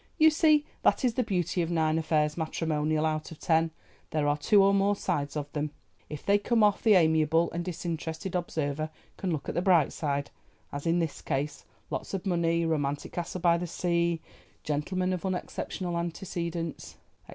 You see that is the beauty of nine affairs matrimonial out of ten—there are two or more sides of them. If they come off the amiable and disinterested observer can look at the bright side—as in this case, lots of money, romantic castle by the sea, gentleman of unexceptional antecedents, &c.